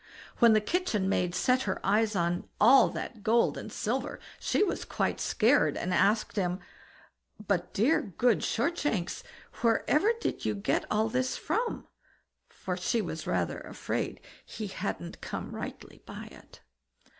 When the kitchen maid set her eyes on all that gold and silver, she was quite scared, and asked him: "But dear, good, Shortshanks, wherever did you get all this from?" for she was rather afraid he hadn't come rightly by it.